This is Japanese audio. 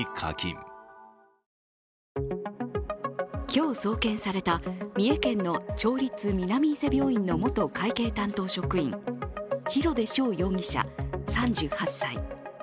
今日送検された、三重県の町立南伊勢病院の元会計担当職員、廣出翔容疑者３８歳。